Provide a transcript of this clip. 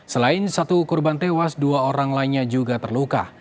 selain satu korban tewas dua orang lainnya juga terluka